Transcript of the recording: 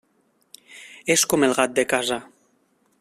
És com el gat de casa.